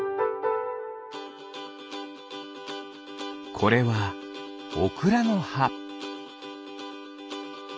これはオクラのは。